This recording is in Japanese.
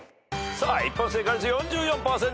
さあ一般正解率４４％！